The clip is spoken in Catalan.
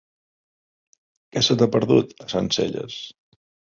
Què se t'hi ha perdut, a Sencelles?